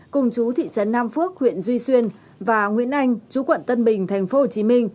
cùng chú thị trấn nam phước huyện duy xuyên và nguyễn anh chú quận tân bình tp hcm